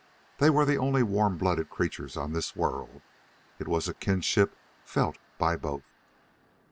They were the only warm blooded creatures on this world. It was a kinship felt by both.